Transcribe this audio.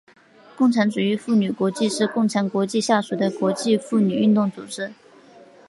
共产主义妇女国际是共产国际下属的国际妇女运动组织。